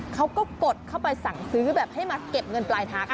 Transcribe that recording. กดเข้าไปสั่งซื้อแบบให้มาเก็บเงินปลายทาง